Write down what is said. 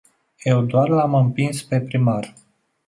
Eu doar l-am împins pe primar.